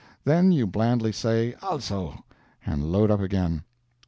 Then you blandly say ALSO, and load up again.